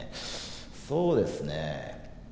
そうですね。